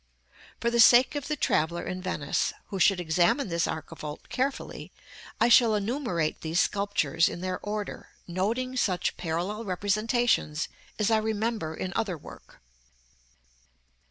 For the sake of the traveller in Venice, who should examine this archivolt carefully, I shall enumerate these sculptures in their order, noting such parallel representations as I remember in other work.